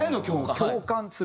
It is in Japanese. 共感する。